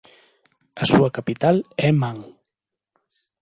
A súa capital é Man.